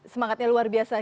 semangatnya luar biasa